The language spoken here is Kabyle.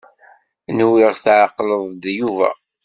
Nwiɣ tɛeqleḍ-d Yuba.